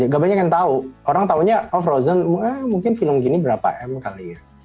gak banyak yang tahu orang taunya oh frozen wah mungkin film gini berapa m kali ya